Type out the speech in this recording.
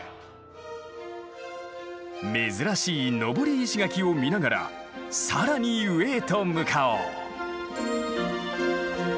珍しい登り石垣を見ながら更に上へと向かおう。